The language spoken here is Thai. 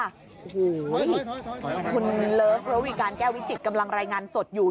โอ้โหคุณเลิฟระวีการแก้ววิจิตกำลังรายงานสดอยู่